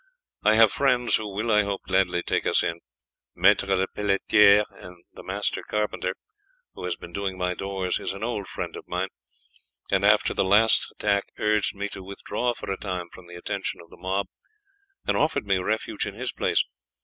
I have friends, who will, I hope, gladly take us in. Maître Lepelletiere, the Master Carpenter, who has been doing my doors, is an old friend of mine, and after the last attack, urged me to withdraw for a time from the attention of the mob, and offered me refuge in his place.